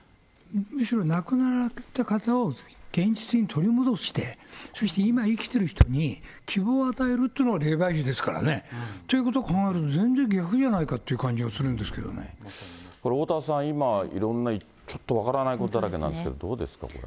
むしろ、亡くなられた方を現実に取り戻して、そして今生きてる人に、希望を与えるっていうのが霊媒師ですからね。ということを考えると、全然逆じゃないかって感じがするんですけおおたわさん、今、いろんなちょっと分からないことだらけなんですけど、どうですか、これ。